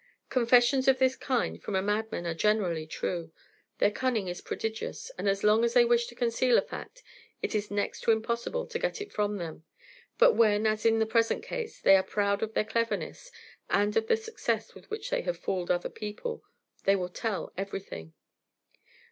Confessions of this kind from a madman are generally true; their cunning is prodigious, and as long as they wish to conceal a fact it is next to impossible to get it from them; but when, as in the present case, they are proud of their cleverness and of the success with which they have fooled other people, they will tell everything.